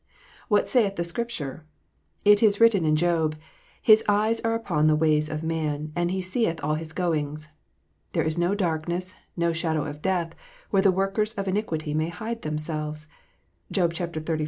What saith the Scripture 1 It is written in Job, " His eyes are upon the ways of man, and He seeth all his goings. There is no darkness, nor shadow of death, where the workers of iniquity may hide themselves." (Job xxxiv.